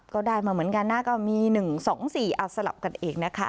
ก็ได้มาเหมือนกันนะก็มี๑๒๔สลับกันเองนะคะ